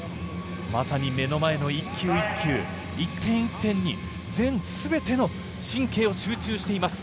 まさに目の前の１球１球１点１点に全ての神経を集中しています。